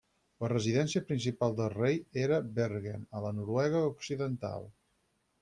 La residència principal del rei era a Bergen a la Noruega Occidental.